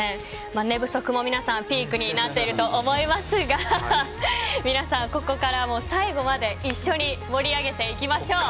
寝不足も皆さんピークになっていると思いますが皆さん、ここからも最後まで一緒に盛り上げていきましょう。